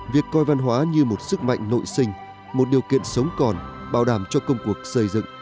việc coi văn hóa như một sức mạnh nội sinh một điều kiện sống còn bảo đảm cho công cuộc xây dựng